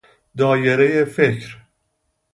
دایره فکر